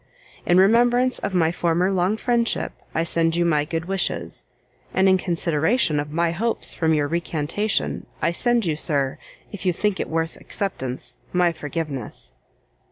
In remembrance of my former long friendship, I send you my good wishes; and in consideration of my hopes from your recantation, I send you, Sir, if you think it worth acceptance, my forgiveness.